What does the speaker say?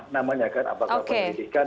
namanya kan apakah penyidikan